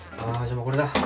もうこれだ！